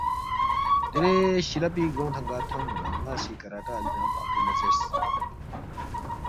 دیرے شیلہ پی گرونگ تھنگار تھونمنہ نا سی کراٹا علی نہ باقر لا زیرس ۔‘‘